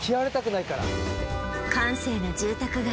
閑静な住宅街